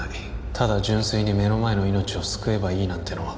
ただ純粋に目の前の命を救えばいいなんてのは